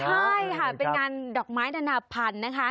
ใช่ค่ะเป็นงานดอกไม้นานาพันธุ์นะคะ